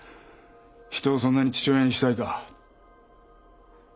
人をそんなに父親にしたいか？